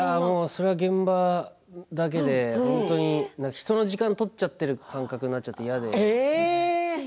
それは現場だけで人の時間を取っちゃってる感覚になるのが嫌で。